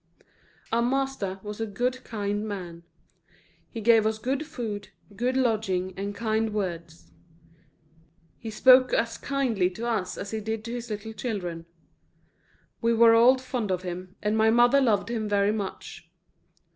Our master was a good, kind man. He gave us good food, good lodging and kind words; he spoke as kindly to us as he did to his little children. We were all fond of him, and my mother loved him very much.